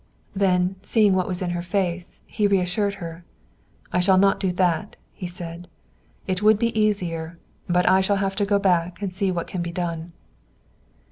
Then, seeing what was in her face, he reassured her. "I shall not do that," he said. "It would be easier. But I shall have to go back and see what can be done."